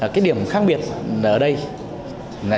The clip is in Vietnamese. cái điểm khác biệt ở đây là chúng ta